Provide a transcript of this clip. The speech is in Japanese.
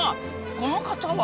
この方は？